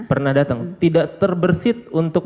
pernah datang tidak terbersih untuk